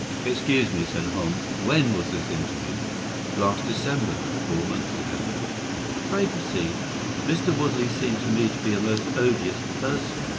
"Excuse me," said Holmes; "when was this interview?" "Last December—four months ago." "Pray proceed." "Mr. Woodley seemed to me to be a most odious person.